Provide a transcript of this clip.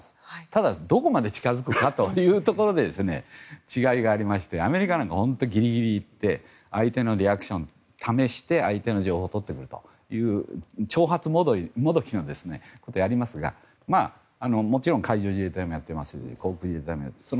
ただ、どこまで近づくかというところで違いがありましてアメリカなんか本当にぎりぎり行って相手のリアクションを試して相手の情報を取ってくるという挑発もどきのことをやりますがもちろん海上自衛隊もやってますし航空自衛隊もやってます。